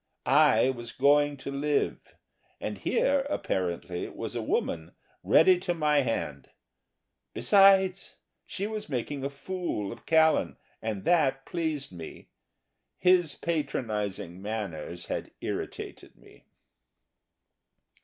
I was going to live, and here, apparently, was a woman ready to my hand. Besides, she was making a fool of Callan, and that pleased me. His patronising manners had irritated me.